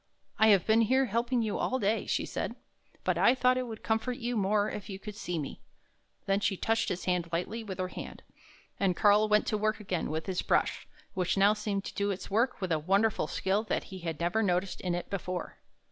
" I have been here helping you all day," she said, " but I thought it would comfort you more if you could see me." Then she touched his hand lightly with her hand, and Karl went to work again with his brush, which now seemed to do its work with a wonder ful skill that he had never noticed in it before.